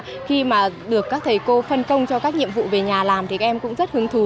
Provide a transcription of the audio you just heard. thì khi mà được các thầy cô phân công cho các nhiệm vụ về nhà làm thì các em cũng rất hứng thú